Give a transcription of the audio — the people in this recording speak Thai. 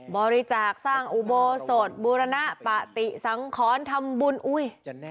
บริจาคสร้างอุโบสถบูรณปฏิสังขรทำบุญอุ้ย